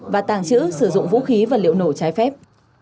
và tàng trữ sử dụng vũ khí vật liệu nổ trái phép